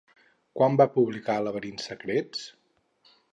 Quan va publicar Laberints secrets?